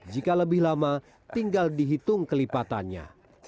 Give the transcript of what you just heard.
jika lebih lama tinggal dihitung kelipatannya